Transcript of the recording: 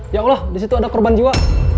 ya allah disitu ada korban jiwa